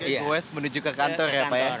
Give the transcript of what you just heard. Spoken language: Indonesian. oke goes menuju ke kantor ya pak